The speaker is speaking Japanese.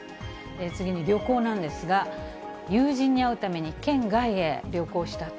次に旅行なんですが、友人に会うために県外へ旅行したと。